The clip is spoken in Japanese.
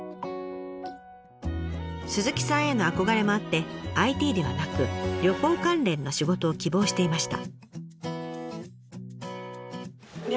鈴木さんへの憧れもあってＩＴではなく旅行関連の仕事を希望していました。